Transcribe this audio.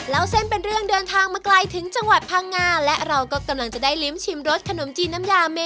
แล้วเส้นเป็นเรื่องเดินทางมาไกลถึงจังหวัดพังงาและเราก็กำลังจะได้ลิ้มชิมรสขนมจีนน้ำยาเม